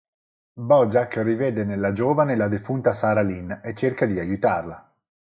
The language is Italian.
BoJack rivede nella giovane la defunta Sarah Lynn e cerca di aiutarla.